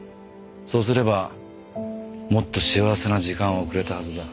そうすればもっと幸せな時間を送れたはずだ。